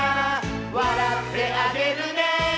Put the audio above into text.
「わらってあげるね」